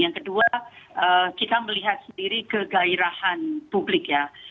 yang kedua kita melihat sendiri kegairahan publik ya